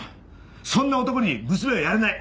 そんな男に娘はやらない！